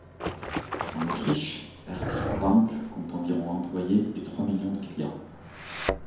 En Autriche, Erste Bank compte environ employés et trois millions de clients.